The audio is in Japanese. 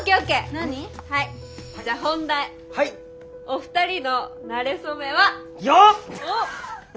お二人のなれ初めは？よっ！